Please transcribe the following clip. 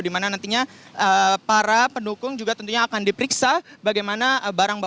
di mana nantinya para pendukung juga tentunya akan diperiksa bagaimana barang barangnya